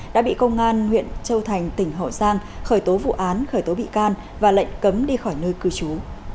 đã bị công an huyện châu thành tỉnh hậu giang khởi tố vụ án khởi tố bị can và lệnh cấm đi khỏi nơi cư trú